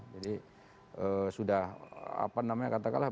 jadi sudah apa namanya katakanlah